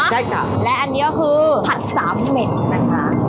ใช่ค่ะและอันนี้ก็คือผัดสามเหม็ดนะคะ